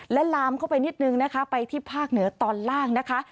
และลามเข้าไปนิดนึงนะคะไปที่ภาคเหนือตอนล่างนะคะ